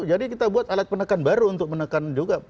jadi kita buat alat penekan baru untuk menekan juga